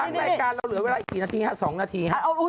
ถังรายการเราเหลือเวลาอีกสินาทีสองนาที